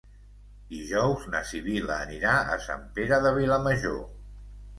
Dijous na Sibil·la anirà a Sant Pere de Vilamajor.